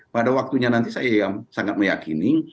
pada waktunya nanti saya sangat meyakini